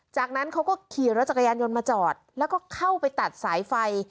จากนั้นเขาก็ขี่รถจักรยานยนต์มาจอดแล้วก็เข้าไปตัดสายไฟ